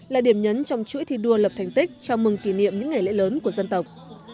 là điểm nhấn trong chuỗi thi đua lập thành tích chào mừng kỷ niệm những ngày lễ lớn của dân tộc